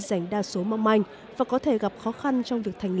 giành đa số mong manh